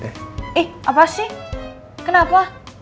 eh apa sih kenapa